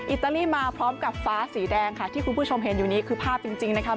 อิตาลีมาพร้อมกับฟ้าสีแดงค่ะที่คุณผู้ชมเห็นอยู่นี้คือภาพจริงนะครับ